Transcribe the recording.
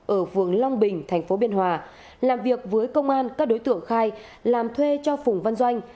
ở vườn long bình thành phố biên hòa làm việc với công an các đối tượng khai làm thuê cho phùng văn doanh